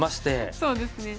そうですね。